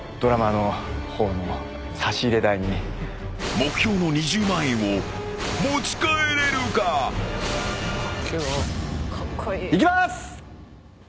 ［目標の２０万円を持ち帰れるか？］いきます！